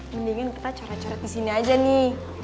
mendingan kita coret coret disini aja nih